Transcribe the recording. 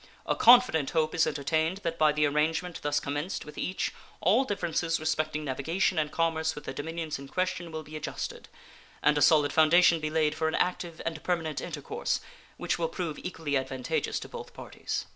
A confident hope is entertained that by the arrangement thus commenced with each all differences respecting navigation and commerce with the dominions in question will be adjusted, and a solid foundation be laid for an active and permanent intercourse which will prove equally advantageous to both parties.